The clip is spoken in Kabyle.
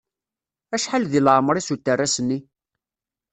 Acḥal deg leɛmer-is uterras-nni?